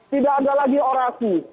tidak ada lagi orasi